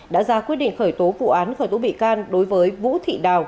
đã ra quyết định khởi tố vụ án khởi tố bị can đối với vũ thị đào